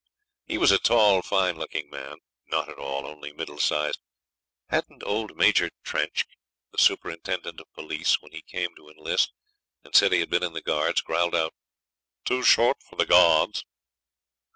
He was a tall, fine looking man. Not at all, only middle sized; hadn't old Major Trenck, the superintendent of police, when he came to enlist and said he had been in the Guards, growled out, 'Too short for the Guards!'